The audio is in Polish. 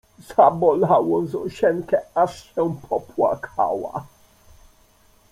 Zabolało Zosieńkę, aż się popłakała